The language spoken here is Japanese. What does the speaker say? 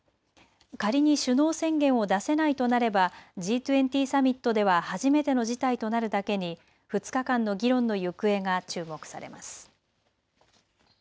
仮に首脳宣言を出せないとなればＧ２０サミットでは初めての事態となるだけに２日間の議論の行方が注目されます。